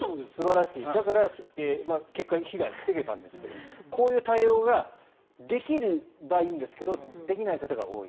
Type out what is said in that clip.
だから結果、被害は防げたんですがこういう対応ができればいいんですができない方が多い。